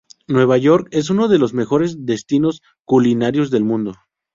Nueva York es uno de los mejores destinos culinarios del mundo.